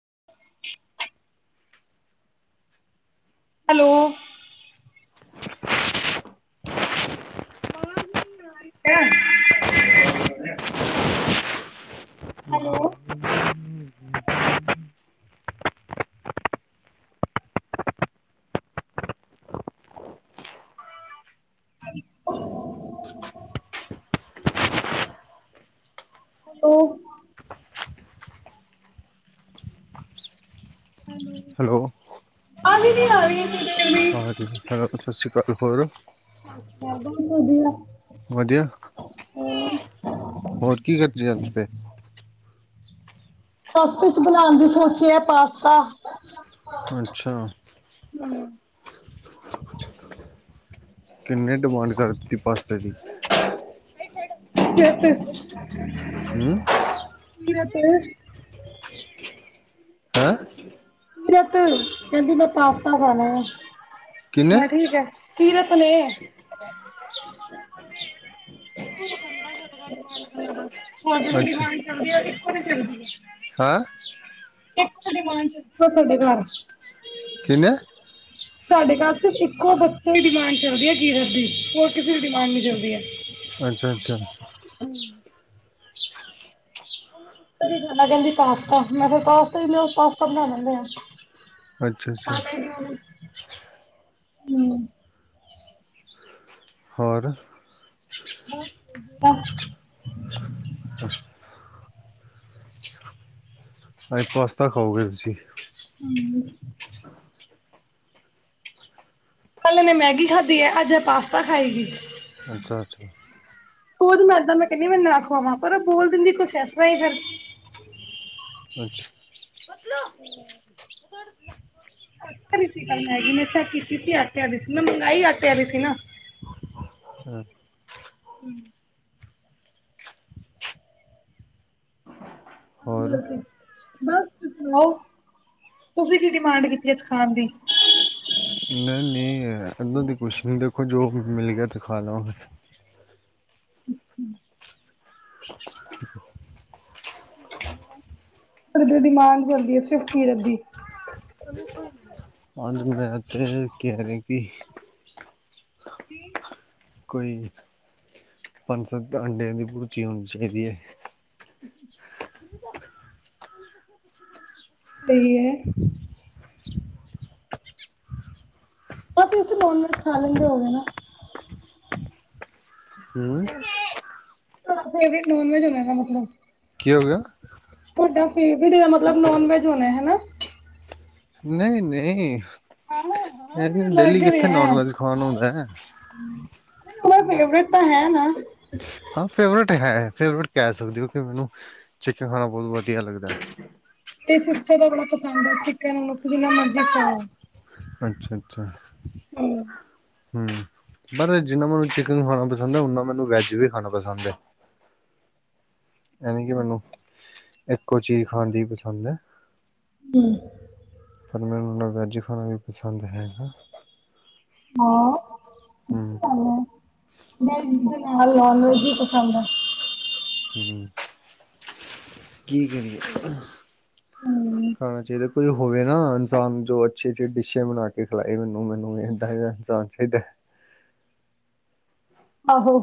[unintelligible] Hello- [unintelligible] hello- [unintelligible] hello- hello- ਹਵਾ ਜੀ ਨਹੀਂ ਆ ਰਹੀ ਵੀ ਹਾਂਜੀ ਸਤਿ ਸ਼੍ਰੀ ਅਕਾਲ ਹੋਰ [unintelligible] ਵਧੀਆ ਵਧੀਆ ਹੋਰ ਕੀ ਕਰਦੀ ਜਾਂ ਫੇ ਵਾਪਸੀ ਬਣਾਉਣ ਦਾ ਸੋਚਿਆ ਹੈ। ਪਾਸਤਾ ਅੱਛਾ ਕਿੰਨੇਡਿਮਾਂਡ ਕਰ ਦਿੱਤੀ ਪਸਤੇ ਦੀ [unintelligible] ਹੂ [unintelligible] ਹੈਂ। ਕੀਰਤ ਕਹਿੰਦੀ ਮੈਂ ਪਾਸਤਾ ਖਾਣਾ ਆ ਕਿੰਨੇ ਮੈਂ ਕਿਹਾ ਠੀਕ ਆ ਕੀਰਤ ਨੇ [unintelligible] ਹੋਰ ਕਿਦੀ ਦੀ ਅੱਛਾ ਡਿਮਾਂਡ ਚਲਦੀ ਹੋਣੀ [unintelligible] ਹੈਂ [unintelligible] ਕਿਵੇਂ ਸਾਡੇ ਘਰ ਸਿਰਫ ਇੱਕੋ ਬੱਚੇ ਦੀ ਡਿਮਾਂਡ ਚੱਲਦੀ ਹੈ ਕੀਰਤ ਦੀ। ਹੋਰ ਕਿਸੇ ਦੀ ਡਿਮਾਂਡ ਨੀ ਚੱਲਦੀ ਏ। ਅੱਛਾ ਅੱਛਾ ਕਹਿੰਦੀ ਪਾਸਤਾ। ਮੈਂ ਕਿਹਾ ਪਾਸਤਾ ਪਾਸਤਾ ਬਨਾ ਲੈਂਨੇ ਆ। [inaudible] ਅੱਛਾ ਅੱਛਾ ਹੂੰ ਹੋਰ। ਬਸ ਵਧੀਆ [inaudible] ਅਜ ਪਾਸਤਾ ਖਾਓਗੇ ਤੁਸੀਂ। ਕੱਲ ਏਨ੍ਹੇ ਮੈਗੀ ਖਾਧੀ ਏ, ਅੱਜ ਪਾਸਤਾ ਖਾਏਗੀ। ਅੱਛਾ ਅੱਛਾ। ਖੁਦ ਮੈਦਾ ਮੈਂ ਕਹਿਨੀ ਮੈ ਨਾ ਖਵਾਵਾਂ ਪਰ ਬੋਲ ਦਿੰਦੀ ਕੋਛ ਇਸ ਤਰ੍ਹਾਂ ਹੈ ਫਿਰ ਅੱਛਾ ਆਟੇ ਦੀ ਸੀ ਕੱਲ ਮੈਗੀ। ਮੈ ਚੈੱਕ ਕੀਤੀ ਸੀ ਆਟੇ ਆਲੀ ਸੀ। ਮੈ ਮੰਗਾਈ ਆਟੇ ਆਲੀ ਸੀ ਨਾ। ਹੂੰ। ਹੂੰ। ਤਾਂ ਹੋਰ ਕਰਕੇ। ਬਸ ਤੁਸੀ ਸੁਣਾਓ? ਤੁਸੀਂ ਕੀ ਡਿਮਾਂਡ ਕੀਤੀ ਸੀਗੇ ਖਾਣ ਦੀ। ਨਹੀਂ ਨਹੀਂ ਇੱਦਾਂ ਕੁਛ ਨੀ। ਦੇਖੋ ਜੋ ਮਿਲ ਗਿਆ ਤੇ ਖਾ ਲਵਾਂਗੇ। ਅੱਛਾ। ਡਿਮਾਂਡ ਚਲਦੀ ਹੈ, ਸਿਰਫ ਕੀਰਤ ਦੀ। ਅਜ ਮੈਂ ਤੇ ਕੈ ਰਿਹਾ ਕਿ ਕੀ? ਕੋਈ ਪੰਜ-ਸੱਤ ਅੰਡਿਆਂ ਦੀ ਪੂਜੀ ਹੋਨੀ ਚਾਹੀਦੀ ਏ। ਸਹੀ ਹੈ। ਪਰ ਤੁਸੀ ਨੋਨ ਵੈਜ ਖਾ ਲੈਂਦੇ ਹੋਓਗੇ ਨਾ। [unintelligible] ਹਮ ਤੁਆਦਾ ਫੇਵਰੇਤ ਨੋਨ ਵੈਜ ਹੋਣਾ ਇਹਦਾ ਮਤਲਬ। ਕੀ ਹੋ ਗਿਆ। ਤੁਹਾਡਾ ਫੇਵਰੇਟ ਇਹਦਾ ਮਤਲਬ ਨੋਨ ਵੈਜ ਹੋਣਾ, ਹਨਾ। ਨਹੀਂ, ਨਹੀਂ। ਹਾਂ ਹਾਂ ਮੈਨੂੰ ਇਹ ਡੇਲੀ ਲੱਗ ਕਿੱਥੇ ਰਿਹਾ ਹੈ ਨੋਨ ਵੈਜ ਖਾਣ ਹੁੰਦਾ ਹੈ। ਨਹੀਂ ਉਹਦਾ ਫੇਵਰੇਟ ਹੈ, ਨਾ। ਹਾਂ, ਫੇਵਰੇਟ ਹੈ। ਫੇਵਰੇਟ ਕਹਿ ਸਕਦੇ ਹੋ ਕਿ ਮੈਨੂੰ ਚਿਕਨ ਖਾਣਾ ਬਹੁਤ ਵਧੀਆ ਲੱਗਦਾ ਏ। ਫੇ ਇਹਦਾ ਮਤਲਵ ਜਿਨ੍ਹਾਂ ਮਰਜੀ ਖਾਓ। ਅੱਛਾ, ਅੱਛਾ। ਹੂੰ। ਹੂੰ। ਪਰ ਜਿੰਨਾ ਮੈਨੂੰ ਚਿਕਨ ਖਾਣਾ ਪਸੰਦ ਏ, ਓਨਾ ਮੈਨੂੰ ਵੈਜ ਵੀ ਖਾਣਾ ਪਸੰਦ ਏ। ਐਵੇ ਕਿ ਮੈਨੂੰ ਇੱਕੋ ਚੀਜ਼ ਖਾਣ ਦੀ ਪਸੰਦ ਏ। ਹੂੰ। ਪਰ ਮੈਨੂੰ ਨਾ ਵੈਜ ਖਾਣਾ ਵੀ ਪਸੰਦ ਹੈਗਾ। ਹਾਂ। ਹਮ ਅੱਛੀ ਗੱਲ ਹੈ। ਮੈਂ ਇਹਦੇ ਨਾਲ ਨੋਨ ਵੈਜ ਇ ਪਸੰਦ ਏ। ਹੂੰ। ਕੀ ਕਰੀਏ। ਹੂੰ ਖਾਣਾ ਚਾਹੀਦਾ। ਕੋਈ ਹੋਵੇ ਨਾ ਇਨਸਾਨ ਜੋ ਅੱਛੀ ਅੱਛ ਡਿਸ਼ੇ ਬਣਾ ਕੇ ਖਿਲਾਏ ਮੈਨੂੰ ਮੈਨੂੰ ਇਦਾਂ ਇਨਸਾਨ ਚਾਹੀਦਾ। ਆਹੋ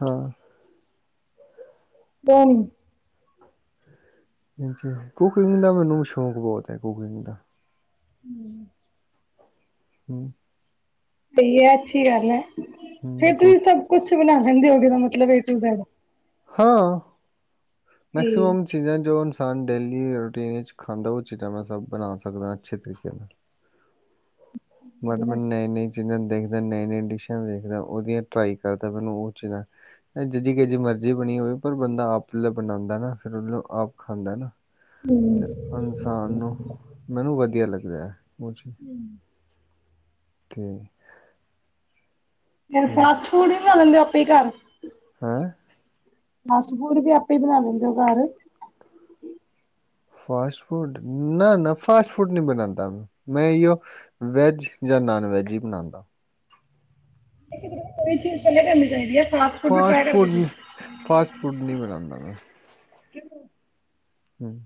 ਹਾਂ [unintelligible] ਕੁਕਿੰਗ ਦਾ ਮੈਨੂੰ ਸ਼ੌਕ ਬਹੁਤ ਹੈ ਕੁਕਿੰਗ ਦਾ ਹੂੰ ਹੂੰ ਸਹੀ ਹੈ ਅੱਛੀ ਗੱਲ ਹੈ। ਹੂੰ ਫੇਰ ਕੁ ਤੁਸੀਂ ਸਭ ਕੁੱਛ ਬਣਾਉਦੇ ਰਹਿੰਦੇ ਹੋ ਗਏ ਮਤਲਬ ਏ ਨੂੰ ਜੈਡ ਹਾਂ। ਹੂੰ ਮੈਕਸੂਮ ਚੀਜ਼ਾਂ ਜੋ ਇਨਸਾਨ ਡੇਲੀ ਰੂਟੀਨ ਵਿੱਚ ਖਾਂਦਾ ਉਹ ਚੀਜ਼ਾਂ ਮੈਂ ਸਭ ਬਣਾ ਸਕਦਾ ਅੱਛੇ ਤਰੀਕੇ ਨਾਲ ਬਟ ਮੈਂ ਨਹੀਂ ਨਹੀਂ ਜਿ ਦੇਖਦਾ ਨਵੇਂ ਨਵੇਂ ਡਿਸ਼ਾਂ ਦੇਖਦਾ ਉਹਦੀਆਂ ਟਰਾਈ ਕਰਦਾ ਮੈਨੂੰ ਉਹ ਚੀਜ਼ ਜ ਕਿ ਜ ਮਰਜ਼ ਜੇ ਬਣੀ ਹੋਵੇ ਪਰ ਬੰਦਾ ਆਪ ਬਣਾਉਂਦਾ ਨਾ ਫਿਰ ਉਹਨੂੰ ਆਪ ਖਾਂਦਾ ਨਾ ਤੇ ਇਨਸਾਨ ਨੂੰ ਮੈਨੂੰ ਵਧੀਆ ਲੱਗਦਾ ਐ। ਅੱਛਾ ਅਤੇ ਫ ਫਾਸਟ ਫੂਡ ਲੈਂਦੇ ਹੋ ਆਪੇ ਹੀ ਘਰ ਹੈਂ ਬਸ ਹੂੜ ਤੇ ਆਪੇ ਹੀ ਬਣਾ ਲੈਂਦੇ ਐ ਘਰ ਫਾਸਟ ਫੂਡ ਨਾ ਨਾ ਫਾਸਟ ਫੂਡ ਨਹੀਂ ਬਣਾਉਂਦਾ ਮੈਂ ਓ ਵੈਜ ਜਾਂ ਨਾਨ ਵੈਜ ਹੀ ਬਣਾਉਦਾ। ਕੋਈ ਚੀਜ਼ ਪਹਿਲੇ ਕਰਨੀ ਚਾਹੀਦੀ ਹੈ। ਵੀ ਫਾਸਟ ਟਰਾਈ ਕਰਕੇ ਫੂਡ ਦੇਖ। ਫਾਸਟ ਫੂਡ ਨੀ ਬਣਾਉਦਾ ਮੈਂ ਹੂੰ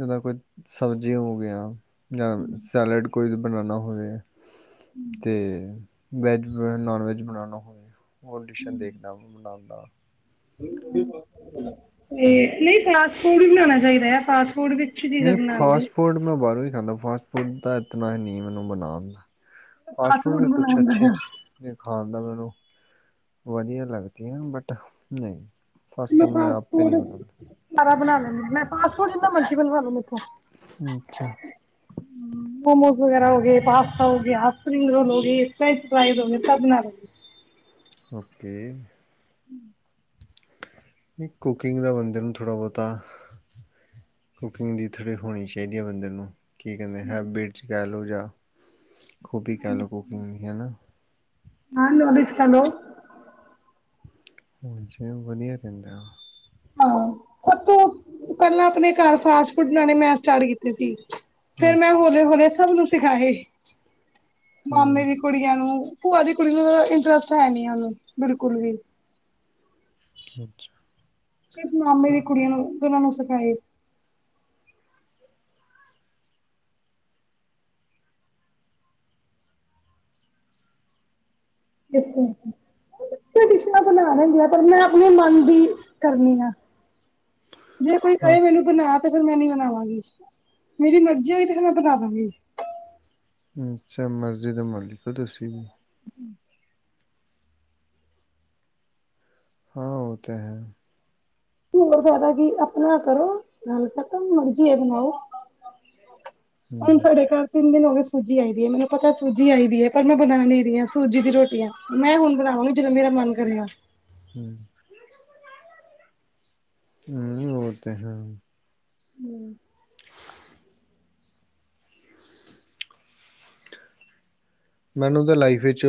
ਇਹਦਾ ਕੋਈ ਸਬਜ਼ੀ ਹੋਗੀਆ ਜਾਂ ਸੈਲਡ ਕੋਈ ਵੀ ਬਣਾਉਣਾ। ਤੇ ਵੈਜ ਨੋਨ ਵੈਜ ਬਣਾਉਣਾ ਹੋਵੇ। ਉਹ ਡਿਸ਼ਾਂ ਦੇਖਦਾ ਮੈਂ ਬਣਾਉਂਦਾ ਤੇ ਹਮ। ਨਹੀਂ ਫਾਸਟ- ਫੂਡ ਵੀ ਬਣਾਉਣਾ ਚਾਹੀਦਾ ਹੈ ।ਫਾ ਨਹੀਂ ਫਾਸਟ ਫੂਡ ਮੈਂ ਬਾਹਰੋਂ ਹੀ ਖਾਂਦਾ। ਫਾਸਟ ਫੂਡ ਦਾ ਇਤਨਾ ਹੀ ਨਹੀਂ ਮੈਨੂੰ ਬਣਾਉਣ ਦਾ। ਫਾਸਟ ਫੂਡ ਵੀ ਕੁਛ ਅੱਛੀ ਖਾਦਾ। ਵਧੀਆ ਲੱਗਦੀਆਂ ਬਟ ਨਹੀਂ ਫਾਸਟ ਫੂਡ ਸਾ ਬਣਾ ਲੈਂਦੇ ਮੈਂ ਫਸੂਡ ਮਰਜੀ ਬਣਵਾ ਲੈ ਮੈਥੋਂ ਅੱਛਾ ਮੋਮੋਜ਼ ਵਗੈਰਾ ਹੋ ਗਗੇ ਪਾਸਤਾ ਹੋ ਗ ਸਪ੍ਰਿੰਗ ਰੋਲ ਹੋਗੀ ਫਰੈਚ ਫਰਾਈ ਹੋਗੇ। ਓਕੇ ਨਹੀਂ ਕੁਕਿੰਗ ਦਾ ਬੰਦੇ ਨੂੰ ਥੋੜ੍ਹਾ ਬਹੁਤਾ ਕੁਕਿੰਗ ਦੀ ਥੋੜ੍ਹੀ ਹੋਣੀ ਚਾਹੀਦੀ ਹੈ। ਬੰਦੇ ਨੂੰ ਕੀ ਕਹਦੇ ਹੈਬਿਟ ਚ ਕਹਿ ਲਓ। ਖੂਬੀ ਕਲ ਕੁਕਿੰਗ ਦੀ ਹਨਾ। ਮੈਂ ਮੋਮਨ ਖਾਦੇ ਹਾਂਜੀ ਵਧੀਆ ਪੈਂਦਾ ਵੇ ਹਾਂ ਸਭ ਤੋਂ ਪਹਿਲਾਂ ਆਪਣੇ ਘਰ ਫਾਸਟ ਫੂਡ ਬਣਾਣੇ ਮੈ ਸਟਾਰਟ ਕੀਤੇ ਸੀ। ਫੇਰ ਮੈਂ ਅੱਛਾ ਹੌਲੀ ਹੌਲੀ ਸਭ ਸਿੱਖਾ ਤੇ ਹਮ ਮਾਮੇ ਦੀ ਕੁੜੀਆਂ ਨੂੰ ਭੂਆ ਦੀ ਕੁੜੀ ਨੂੰ ਇੰਟਰਸਟ ਹੈ ਨੀ ਉਹਨੂੰ ਬਿਲਕੁਲ ਵੀ ਅੱਛਾ। ਸਿਰਫ ਮਾਮੇ ਦੀ ਹਾਂ ਕੁੜੀਆਂ ਨੂੰ ਨੂੰਹ ਨੂੰ ਇੱਕ ਬਣਾ ਲੈਂਦੀ ਆ ਪਰ ਮੈਂ ਆਪਣੇ ਮਨ ਦੀ ਕਰਨੀ ਐ ਜੇ ਕੋਈ ਹਾਂ ਕੇ ਮੈਨੂੰ ਤਾਂ ਨਾ ਤੇ ਫਿਰ ਮੈਂ ਨ ਬਨਾਵਾਂਗੀ। ਮੇਰੀ ਮਰਜ਼ੀਈ ਫੇਰ ਮੈਂ ਪਤਾ ਹਾਂਜੀ। ਅੱਛਾ, ਮਰਜ਼ੀ ਦਾ ਮਰ ਲਿਕੋ ਦਸੀਂ ਹਾਂ, ਉਹ ਤੇ ਹੈ। ਹੋਰ ਫੈਦਾ ਕੀ ਆਪਣਾ ਕਰੋ, ਨਾਲ ਤੱਕ ਮਰਜੀ ਬਣਾਓ। ਹੁਣ ਹਮ ਸਾਡੇ ਘਰ ਤਿੰਨ ਦਿਨ ਹੋ ਗਏ ਸੂਜੀ ਆਈ ਦੀ ਹੈ, ਮੈਨੂੰ ਪਤਾ ਸੂਜੀ ਆਈ ਦੀ ਹੈ, ਪਰ ਮੈਂ ਬਣਾ ਨੀ ਰਹੀ ਹਾਂ ਸੂਜੀ ਦੀ ਰੋਟੀਆਂ। ਮੈਂ ਹੁਣ ਬਣਾਵਾਂਗੀ ਜਦੋਂ ਮੇਰਾ ਮਨ ਕਰੇਗਾ। ਹੂੰ, ਹੂੰ ਉਹ ਤੇ ਹੈ। ਮੈਨੂੰ ਤਾਂ ਲਾਈਫ ਵਿੱਚ,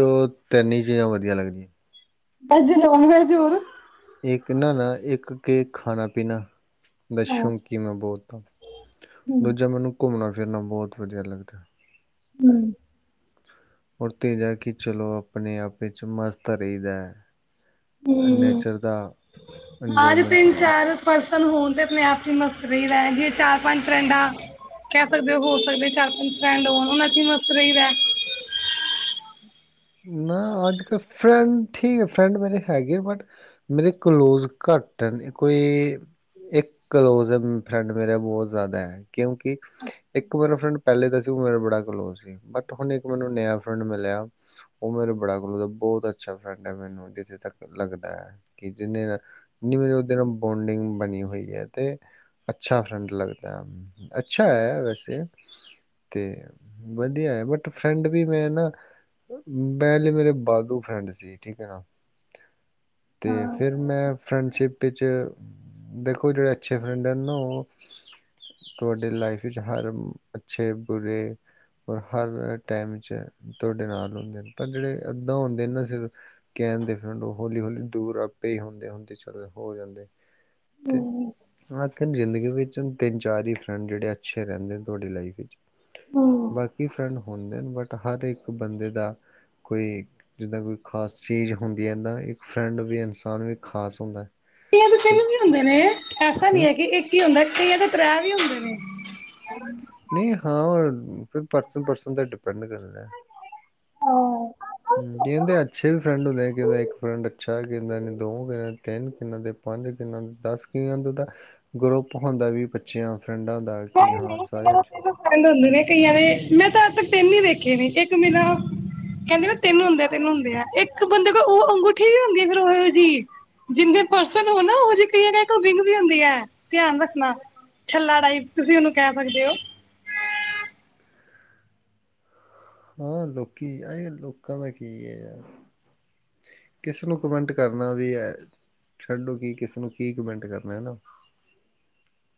ਤਿੰਨ ਹੀ ਚੀਜ਼ਾਂ ਵਧੀਆ ਲੱਗਦੀਆਂ। ਭਾਜੀ। ਨੌਨਵੇਜ' ਓ ਨਾ? ਇੱਕ ਨਾ, ਨਾ, ਇੱਕ ਕੇ ਖਾਣਾ- ਪੀਣਾ। ਸ਼ੌਂਕੀ, ਹੂੰ ਮੈਂ ਬਹੁਤ ਹਾਂ, ਦੂਜਾ ਮੈਨੂੰ ਘੁੰਮਣਾ ਫਿਰਨਾ ਬਹੁਤ ਵਧੀਆ ਲੱਗਦਾ। ਹੂੰ ਰ ਤੇਜ ਕਿ ਚਲੋ, ਆਪਣੇ ਆਪ ਵਿੱਚ ਮਸਤ ਰਹੀਦਾ ਹੈ। ਹੂੰ ਨੇਚਰ ਦਾ ਸਾਰ ਇੰਜੋਏਮੈਂਟ ਤਿੰਨ, ਚਾਰ ਪਰਸ ਹੋਣ ਤੇ, ਆਪਣੇ ਆਪ ਹੀ ਮਸਤ ਰਹੀਦਾ ਹੈ। ਜਿ ਚਾਰ, ਪੰਜ ਫਰੈਂਡਾਂ ਕਹਿ ਸਕਦੇ ਹੋ, ਹੋ ਸਕਦੇ ਚਾਰ, ਪੰਜ ਫਰੈਂਡ ਹੋਣ ਉਹਨਾ 'ਚ ਮਸਤ ਰਹੀਦਾ ਨਾ ਅੱਜ ਕੱਲ ਫਰੈਂਡ ਠੀਕ ਹੈ। ਫਰੈਂਡ ਮੇਰੇ ਹੈਗੇ ਆ, ਬਟ ਮੇਰੇ ਕਲੋਜ ਘੱਟ ਕੋਈ ਇੱਕ ਕਲੋਜ ਹੈ। ਫਰੈਂਡ ਮੇਰਾ ਬਹੁਤ ਜ਼ਿਆਦਾ ਹੈ, ਕਿਉਂਕਿ ਇੱਕ ਮੇਰਾ ਫਰੈਂਡ ਪਹਿਲੇ ਦਾ ਸੀ ਉਹ ਮੇਰਾ ਬੜਾ ਕਲੋਜ ਸੀ, ਬਟ ਹੁਣ ਇੱਕ ਮੈਨੂੰ ਨਯਾ ਫਰੈਂਡ ਮਿਲਿਆ। ਉਹ ਮੇਰੇ ਬੜਾ ਕੋਲੋ ਦਾ ਬਹੁਤ ਅੱਛਾ ਫਰੈਂਡ ਹੈ। ਮੈਨੂੰ ਜਿੱਥੇ ਤੱਕ ਲੱਗਦਾ ਹੈ ਕਿ, ਜਿੰਨੇ-ਜਿੰਨੀ ਮੇਰੀ ਉਹਦੇ ਨਾਲ ਬੋਂਡਿੰਗ ਬਣੀ ਹੋਈ ਹੈ, ਅਤੇ ਅੱਛਾ ਫਰੈਂਡ ਲੱਗਦਾ। ਅੱਛਾ ਹੈ, ਵੈਸੇ। ਤੇ ਵਧੀਆ ਹੈ। ਬਟ ਫਰੈਂਡ ਵੀ ਮੈਂ ਨਾ ਮੈਲੇ ਮੇਰੇ ਵਾਧੂ ਫਰੈਂਡ ਸੀ ਠੀਕ ਹੈ ਨਾ, ਤੇ ਹਾਂ ਫਿਰ ਮੈਂ ਫਰੈਂਡਸ਼ਿਪ ਵਿੱਚ ਦੇਖੋ ਜਿਹੜੇ ਅੱਛੇ ਫਰੈਂਡ ਹਨ, ਨਾ ਉਹ ਤੁਹਾਡੀ ਲਾਈਫ ਵਿੱਚ ਹਰ ਅੱਛੇ, ਬੁਰੇ ਔਰ ਹਰ ਟੈਮ ਤੁਹਾਡੇ ਨਾਲ ਹੁੰਦੇ ਨੇ। ਪਰ ਜਿਹੜੇ ਇੱਦਾਂ ਹੁੰਦੇ ਨਾ, ਸਿਰ ਕਹਿਣ ਦੇ ਫਰੈਂਡ ਉਹ ਹੌਲੀ-ਹੌਲੀ ਦੂਰ ਆਪੇ ਹੀ ਹੁੰਦੇ-ਹੁੰਦੇ ਚੱਲ ਹੋ ਜਾਂਦੇ। ਤੇ ਹੂੰ ਅੱ [unintelligible] ਜਿੰਦਗੀ ਵਿੱਚ ਤਿੰਨ- ਚਾਰ ਹੀ ਫਰੈਂਡ ਜਿਹੜੇ ਅੱਛੇ ਰਹਿੰਦੇ ਤੁਹਾਡੀ ਲਾਈਫ'ਚ। ਹੂੰ ਬਾਕੀ ਫਰੈਂਡ ਹੁੰਦੇ ਨੇ, ਬਟ ਹਰ ਇੱਕ ਬੰਦੇ ਦਾ ਕੋਈ ਜਿੱਦਾਂ ਕੋਈ ਖਾਸ ਚੀਜ਼ ਹੁੰਦੀ ਹੈ, ਇਦਾਂ ਇੱਕ ਫਰੈਂਡ ਵੀ, ਇਨਸਾਨ ਵੀ ਖ਼ਾਸ ਹੁੰਦਾ। ਇਹ ਕਿ, ਹੈ। ਵੀ, ਹੁੰਦੇ ਨੇ। ਐਸਾ ਨੀ ਹੂੰ ਹੈ, ਕਿ ਇਹ ਕੀ ਹੁੰਦਾ। ਕਈਆਂ ਤੇ, ਤ੍ਰੈ ਵੀ ਹੁੰਦੇ ਨੇ। ਨਹੀਂ ਹਾਂ ਫਿਰ ਪਰਸਨ-ਪਰਸਨ ਤੇ ਡਿਪੈਂਡ ਕਰਨਾ। ਹਾਂ ਹੂੰ, ਕਹਿੰਦੇ ਅੱਛੇ ਵੀ ਫਰੈਂਡ ਹੁੰਦੇ ਕਹਿੰਦੇ ਇੱਕ ਫਰੈਂਡ ਅੱਛਾ। ਕਹਿੰਦੇ ਦੋ- ਦੇ ਤਿੰਨ ਕੂ ਈਆ ਦੇ, ਪੰਜ ਕਈਆ ਦੇ ਦੱਸ ਕਈਆ ਦਾ ਗਰੁੱਪ ਹੁੰਦਾ ਵੀ ਪੰਚੀਆ ਨਹੀਂ ਨਹੀਂ, ਕਈ ਤੈਨੂੰ ਫਰੈਂਡ ਹੁੰਦੇ ਨੇ ਕਈਆਂ ਦੇ ਮੈਂ, ਤਾਂ ਤਿੰਨ ਹੀ ਦੇਖੇ ਵੀ ਇੱਕ ਮੇਰਾ ਕਹਿੰਦੇ ਨਾ ਤਿੰਨ ਹੁੰਦੇ, ਤਿੰਨ ਹੁੰਦੇ ਆ ਇੱਕ ਬੰਦੇ ਉਹ ਅੰਗੂਠੀ ਵੀ ਹੁੰਦੀ ਆ, ਫਿਰ ਔ ਜਿਹੀ ਜਿੰਨੇ ਪਰਸਨ ਹੋਨਨਾ, ਉਹ ਜਿਹੀ ਕਹੀ ਰਿੰਗ ਵੀ ਹੁੰਦੀ ਆ। ਧਿਆਨ ਰੱਖਣਾ ਛੱਲਾ ਟਾਈਪ ਤੁਸੀਂ ਉਹਨੂੰ ਕਹਿ ਸਕਦੇ ਹੋ। ਹਾਂ ਲੋਕੀ ਆ ਲੋਕਾਂ ਦਾ ਕੀ ਹੈ, ਯਾਰ ਕਿਸਨੂੰ ਕਮੈਂਟ ਕਰਨਾ ਵੀ ਹੈ ਛੱਡੋ ਕਿ ਕਿਸਨੂੰ ਕੀ ਕਮੈਂਟ ਕਰਨਾ ਹੈ ਨਾ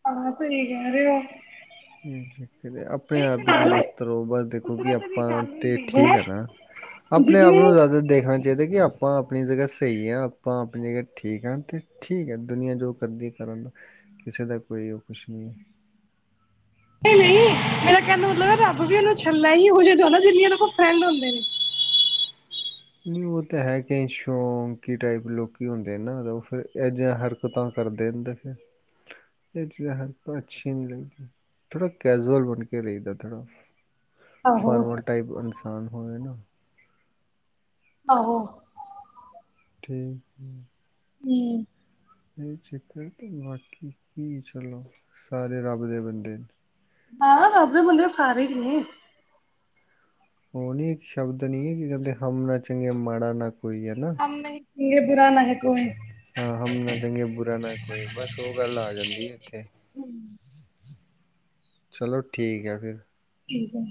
ਆ ਸਹੀ ਕਹਿ ਰਹੇ ਔ, ਰ ਆਪਣੇ ਆਪ ਵਿੱਚ ਮਸਤ ਰਹੋ ਬਸ ਦੇਖੋ ਕਿ ਕੁਦਰਤ ਦੀ ਆਪਾਂ ਗੱਲ ਤੇ ਹੁੰਦੀ ਠੀਕ ਹੈ ਆ ਨਾ ਆਪਣੇ ਆਪ ਜਿੰਨੇ ਨੂੰ ਜ਼ਿਆਦਾ ਦੇਖਣਾ ਚਾਹੀਦਾ ਕਿ ਆਪਾਂ ਆਪਣੀ ਜਗ੍ਹਾ ਸਹੀ ਆ ਆਪਾਂ ਆਪਣੀ ਜਗ੍ਹਾ ਠੀਕ ਹਾਂ ਤੇ ਠੀਕ ਹੈ ਦੁਨੀਆਂ ਜੋ ਕਰਦੀ ਕਰਨ ਦਾ ਕਿਸੇ ਦਾ ਕੋਈ ਉਹ ਕੁਛ ਨਹੀਂ ਹੈ। ਨਹੀਂ-ਨਹੀਂ, ਮੇਰਾ ਕਹਿਣ ਦਾ ਮਤਲਬ ਐ ਰੱਬ ਵੀ ਉਹਨੂੰ ਛੱਲਾ ਹੀ ਇਹ ਜਿਹੇ ਜਿੰਨਾ ਉਹਨਾਂ ਕੋਲ ਫਰੈਂਡ ਹੁੰਦੇ ਨੇ, ਨਹੀਂ ਉਹ ਤਾਂ ਹੈ ਕ ਸ਼ੌਂਕੀ ਟਾਈਪ ਲੋਕੀ ਹੁੰਦੇ ਨਾ ਫਿਰ ਐਨੀਆ ਹਰਕਤਾਂ ਕਰਦੇ ਨੇ ਫਿਰ ਇਹ ਜਿਹੀ ਹਰਕਤਾਂ ਅੱਛੀਆਂ ਨੀ ਲੱਗਦੀਆਂ ਥੋੜ੍ਹਾ ਕੈਜੂਅਲ ਬਣ ਕੇ ਰਹੀਦਾ ਥੋੜ੍ਹਾ ਆਹੋ ਫਾਰਮਲ ਟਾਈਪ ਇਨਸਾਨ ਹੋਵੇ ਨਾ ਆਹੋ, ਠੀਕ, ਹੂੰ, ਇਹ ਚੱਕਰ ਤੇ ਬਾਕੀ ਕੀ ਚਲੋ ਸਾਰੇ ਰੱਬ ਦੇ ਬੰਦੇ ਨੇ ਹਾਂ ਸਭ ਦੇ ਬੰਦੇ ਸਾਰੇ ਹੀ ਨੇ, ਉਹ ਨੀ ਇੱਕ ਸ਼ਬਦ ਨੀ ਹੈ ਕਿ ਕਹਿੰਦੇ ਹਮ ਨਾ ਚੰਗੇ ਮਾੜਾ ਨਾ ਕੋਈ ਕੋਈ ਹੈ ਨੀ ਚੰਗੇ ਬੁਰਾ ਨੀ ਕੋਈ ਹਮ ਨਾ ਚੰਗੇ ਬੁਰਾ ਨਾ ਕੋਈ ਬਸ ਉਹ [unintelligible] ਹੂੰ, ਚਲੋ ਠੀਕ ਹੈ ਫਿਰ ਠੀਕ ਹੈ,